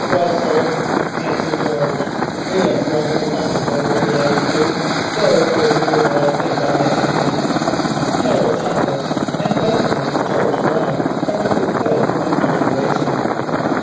"Well, sir," answered George, "he looks wonderful comfortable where he lay, he du, so if you're agreeable I think I'll let him be." Harold chuckled, and presently George arrived, covered with filth and perspiration.